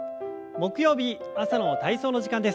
木曜日朝の体操の時間です。